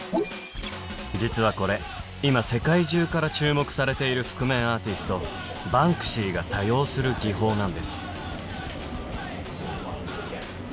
実はこれ今世界中から注目されている覆面アーティストバンクシーが多用する技法なんです